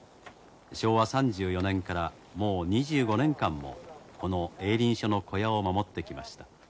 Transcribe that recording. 昭和３４年からもう２５年間もこの営林署の小屋を守ってきました。